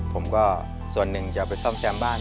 ผมก็ส่วนหนึ่งจะไปซ่อมแซมบ้าน